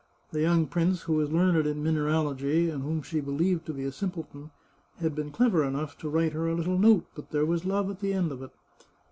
The young prince, who was learned in mineralogy, and whom she be lieved to be a simpleton, had been clever enough to write her a little note, but there was love at the end of it.